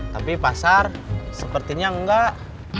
tapi pasar sepertinya enggak